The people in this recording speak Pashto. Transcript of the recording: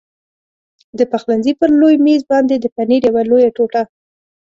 د پخلنځي پر لوی مېز باندې د پنیر یوه لویه ټوټه.